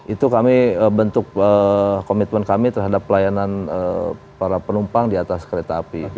itu kami bentuk komitmen kami terhadap pelayanan para penumpang di atas kereta api